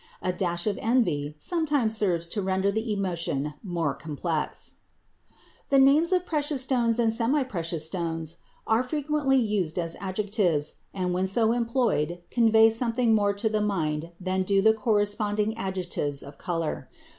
A dash of envy sometimes serves to render the emotion more complex. The names of precious stones and semi precious stones are frequently used as adjectives, and when so employed convey something more to the mind than do the corresponding adjectives of color.